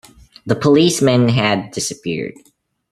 The policeman had disappeared.